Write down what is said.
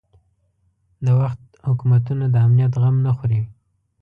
د وخت حکومتونه د امنیت غم نه خوري.